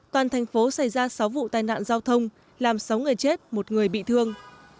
toàn thành phố xảy ra sáu vụ tai nạn giao thông làm sáu người chết một người bị thương